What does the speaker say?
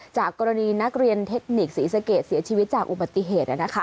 จากกรณีนักเรียนเทคนิคศรีสเกตเสียชีวิตจากอุบัติเหตุ